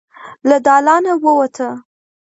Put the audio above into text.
له دالانه ووته.